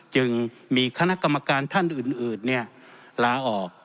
จึงมีคณะกรรมการท่านอื่นลาออก